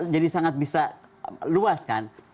jadi sangat bisa luaskan